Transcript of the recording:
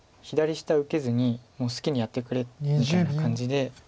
左下受けずに「もう好きにやってくれ」みたいな感じで。